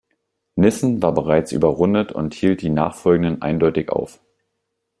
Nissen war bereits überrundet und hielt die nachfolgenden eindeutig auf.